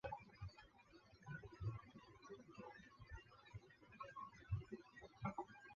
母屠氏。